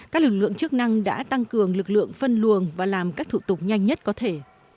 các lực lượng chức năng đã tăng cường lực lượng phân luồng và làm các thủ tục nhanh nhất có thể